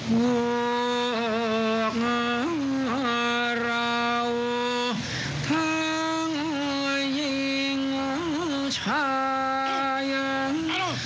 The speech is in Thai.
พวกเราทั้งยิงชายง